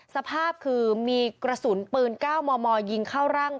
สภาพคือมีกระสุนปืน๙มมยิงเข้าร่าง